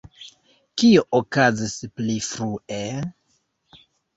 Kio okazis pli frue?